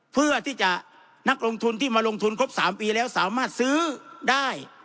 เพื่อที่จะนักลงทุนที่มาลงทุนครบ๓ปีแล้วสามารถซื้อได้